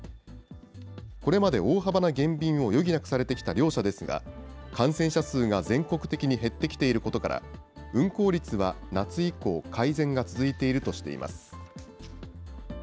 これまで大幅な減便を余儀なくされてきた両社ですが、感染者数が全国的に減ってきていることから、運航率は夏以降、改善が続いているとしています。